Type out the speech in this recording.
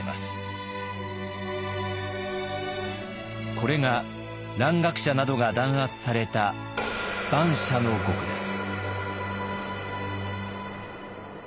これが蘭学者などが弾圧された蛮社の獄です。